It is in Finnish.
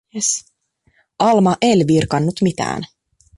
Alma el virkkanut mitään.